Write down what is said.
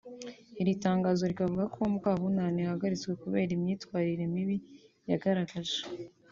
Iri tangazo rikavuga ko Mukabunane ahagaritswe kubera imyitwaririre mibi yagaragaje